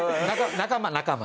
仲間仲間。